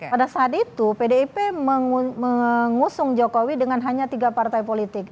pada saat itu pdip mengusung jokowi dengan hanya tiga partai politik